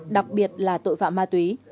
đặc biệt là tội phạm ma túy